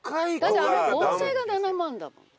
だってあの盆栽が７万だもん。